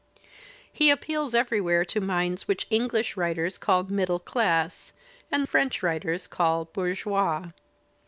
He appeals everywhere to minds which English writers call "middle class" and French writers call "bourgeois."